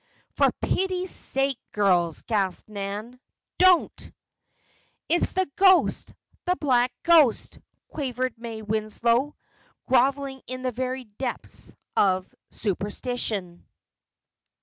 "For pity's sake, girls!" gasped Nan. "Don't!" "It's the ghost! the black ghost!" quavered May Winslow, groveling in the very depths of superstition.